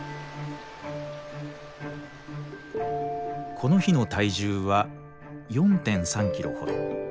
この日の体重は４．３キロほど。